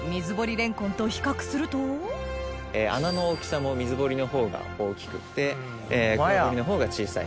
レンコンと比較すると穴の大きさも水掘りの方が大きくってくわ掘りの方が小さい。